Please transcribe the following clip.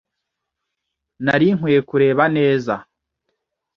Nari nkwiye kureba neza.